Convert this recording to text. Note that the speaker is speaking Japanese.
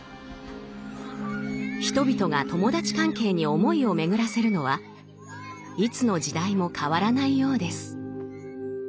人々が友達関係に思いを巡らせるのはいつの時代も変わらないようです。